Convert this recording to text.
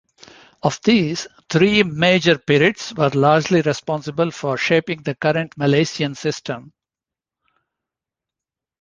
Of these, three major periods were largely responsible for shaping the current Malaysian system.